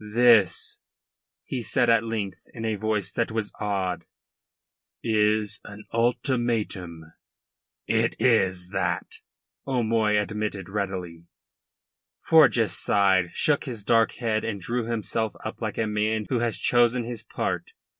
"This," he said at length in a voice that was awed, "is an ultimatum." "It is that," O'Moy admitted readily. Forjas sighed, shook his dark head and drew himself up like a man who has chosen his part.